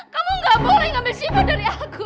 kamu gak boleh ngambil sifat dari aku